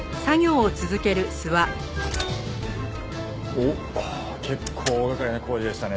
おっ結構大掛かりな工事でしたね